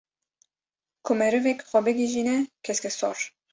ku merivek xwe bigîjîne keskesor